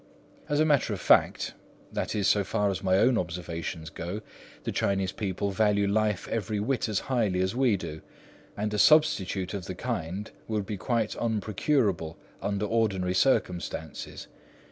As a matter of fact, that is, so far as my own observations go, the Chinese people value life every whit as highly as we do, and a substitute of the kind would be quite unprocurable under ordinary circumstances.